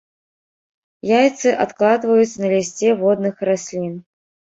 Яйцы адкладваюць на лісце водных раслін.